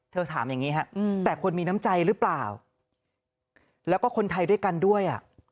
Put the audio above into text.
ถามอย่างนี้ฮะแต่ควรมีน้ำใจหรือเปล่าแล้วก็คนไทยด้วยกันด้วยอ่ะ